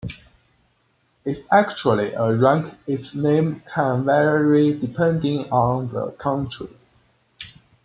If actually a rank its name can vary depending on the country.